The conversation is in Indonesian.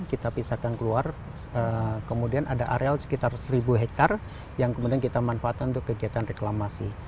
kita pisahkan keluar kemudian ada areal sekitar seribu hektare yang kemudian kita manfaatkan untuk kegiatan reklamasi